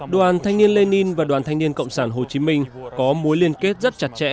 đoàn thanh niên lenin và đoàn thanh niên cộng sản hồ chí minh có mối liên kết rất chặt chẽ